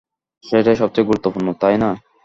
সেটাই সবচেয়ে গুরুত্বপূর্ণ, তাই না?